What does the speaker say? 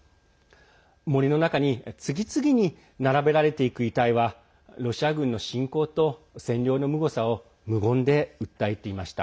森の中に次々に並べられていく遺体はロシア軍の侵攻と占領のむごさを無言で訴えていました。